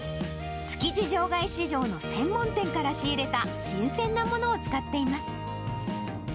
築地場外市場の専門店から仕入れた新鮮なものを使っています。